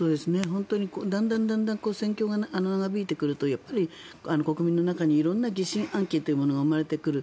だんだん戦況が長引いてくるとやっぱり国民の中に色んな疑心暗鬼というのが生まれてくる。